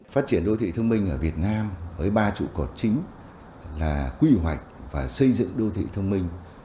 phát triển đô thị thông minh ở việt nam với ba trụ cột chính là quy hoạch và xây dựng đô thị thông minh